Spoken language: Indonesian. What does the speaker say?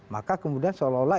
maka kemudian seolah olah